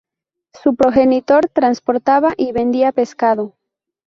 Su progenitor transportaba y vendía pescado.